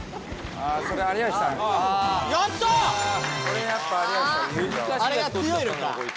あれが強いのか。